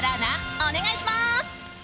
お願いします。